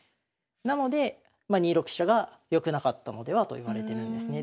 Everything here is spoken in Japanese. なので２六飛車が良くなかったのではといわれてるんですね。